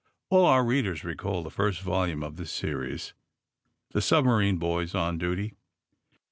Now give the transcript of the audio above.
All our readers recall the first volume of this series, ^^The Submakine Boys on Duty."